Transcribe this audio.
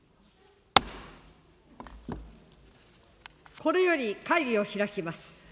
これより会議を開きます。